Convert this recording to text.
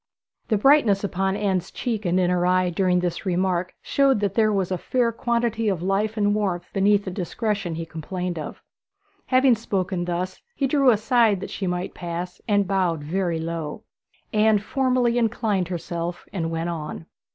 "' The brightness upon Anne's cheek and in her eyes during this remark showed that there was a fair quantity of life and warmth beneath the discretion he complained of. Having spoken thus, he drew aside that she might pass, and bowed very low. Anne formally inclined herself and went on.